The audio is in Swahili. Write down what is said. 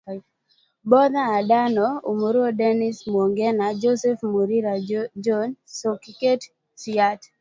Bodha Adano Umuro Dennis Mwongela Joseph Muriira John Koskei Siyat